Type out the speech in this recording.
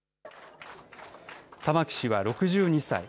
玉城氏は６２歳。